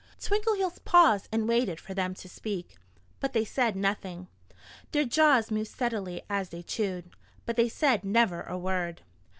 Twinkleheels paused and waited for them to speak. But they said nothing. Their jaws moved steadily as they chewed; but they said never a word.